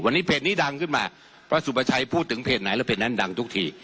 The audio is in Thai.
วันนี้เพจนี้ดังขึ้นมาพระสุประชัยพูดถึงเพจไหนแล้วเพจนั้นดังทุกที